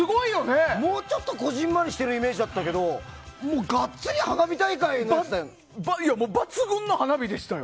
もうちょっと小ぢんまりしてるイメージだったけどもうがっつり花火大会だったよね。